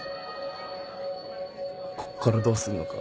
こっからどうすんのか。